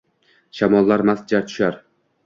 Shamollar mast jar tushar